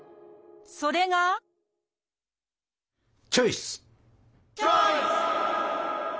それがチョイス！